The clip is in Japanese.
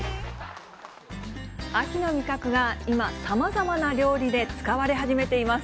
秋の味覚が今、さまざまな料理で使われはじめています。